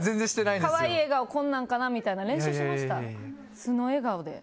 可愛い笑顔こんなんかなみたいな練習しました？